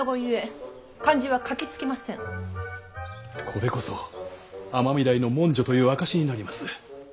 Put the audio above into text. これこそ尼御台の文書という証しになります。